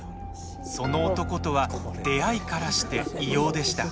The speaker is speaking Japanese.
その男とは出会いからして異様でした。